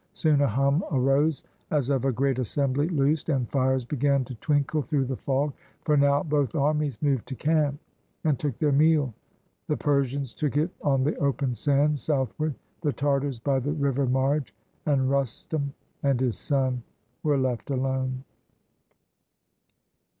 Soon a hum arose, As of a great assembly loos'd, and fires Began to twinkle through the fog; for now Both annies mov'd to camp, and took their meal; The Persians took it on the open sands Southward, the Tartars by the river marge: And Rustum and his son were left alone.